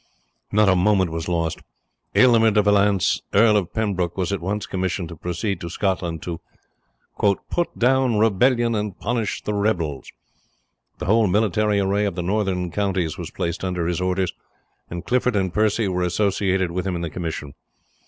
Not a moment was lost. Aylmer de Valence, Earl of Pembroke, was at once commissioned to proceed to Scotland, to "put down rebellion and punish the rebels," the whole military array of the northern counties was placed under his orders, and Clifford and Percy were associated with him in the commission.